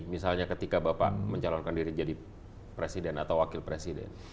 misalnya ketika bapak mencalonkan diri jadi presiden atau wakil presiden